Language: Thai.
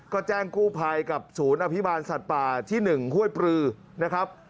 ก็แจ้งกู้ภัยกับศูนย์อภิบาลสัตว์ป่าที่๑ห้วยปลือนะครับ